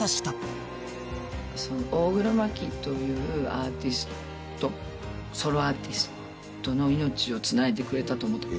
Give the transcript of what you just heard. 大黒摩季というアーティストソロアーティストの命をつないでくれたと思ってます。